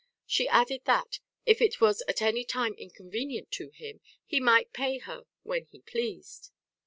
She added that, if it was at any time inconvenient to him, he might pay her when he pleased.